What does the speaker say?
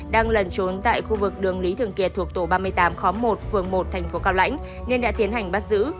đang lần trốn tại khu vực đường lý thường kiệt thuộc tổ ba mươi tám khóm một phường một thành phố cao lãnh nên đã tiến hành bắt giữ